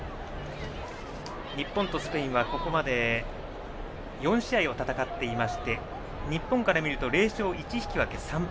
日本とスペインは、ここまで４試合を戦っていまして日本から見ると０勝１引き分け３敗。